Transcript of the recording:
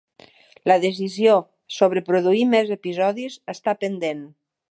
La decisió sobre produir més episodis està pendent .